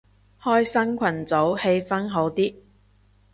開新群組氣氛好啲